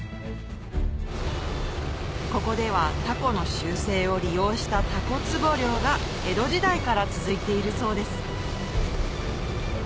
ここではタコの習性を利用した蛸壺漁が江戸時代から続いているそうです